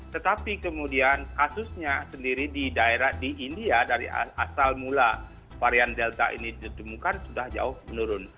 tetapi kemudian kasusnya sendiri di daerah di india dari asal mula varian delta ini ditemukan sudah jauh menurun